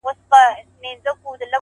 يا الله تې راته ژوندۍ ولره ـ